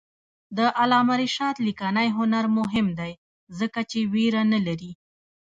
د علامه رشاد لیکنی هنر مهم دی ځکه چې ویره نه لري.